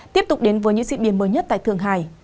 tiếp tục đến với những diễn biến mới nhất tại thượng hải